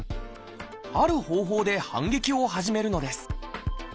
ある方法で反撃を始めるのです。